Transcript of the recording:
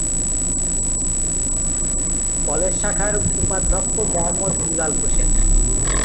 College শাখার উপাধ্যক্ষ মোহাম্মদ দুলাল হোসেন।